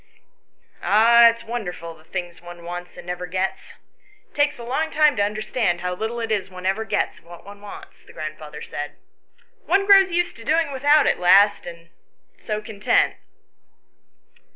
"Ah, it's wonderful the things one wants and never gets. It takes a long time to understand how little it is one ever gets of what one wants," the grandfather said. " One grows used to doing without at last and so content."